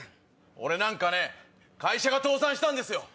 俺なんかね会社が倒産したんですよ。